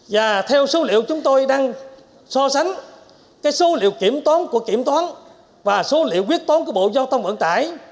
và theo số liệu chúng tôi đang so sánh số liệu kiểm toán của kiểm toán và số liệu quyết toán của bộ giao thông vận tải